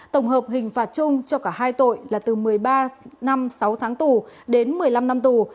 tổng hợp hình phạt chung cho cả hai tội là từ một mươi ba năm sáu tháng tù đến một mươi năm năm tù